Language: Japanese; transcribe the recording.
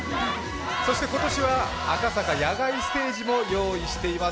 そして今年は赤坂野外ステージも用意しています。